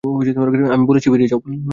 আমি বলেছি, বেড়িয়ে যাও।